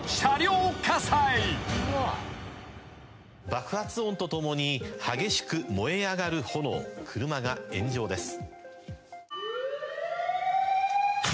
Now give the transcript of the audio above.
「爆発音とともに激しく燃え上がる炎」「車が炎上です」